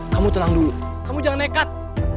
kamu tenang dulu kamu jangan nekat